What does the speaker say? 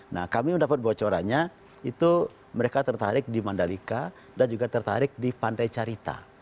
nah kami mendapat bocorannya itu mereka tertarik di mandalika dan juga tertarik di pantai carita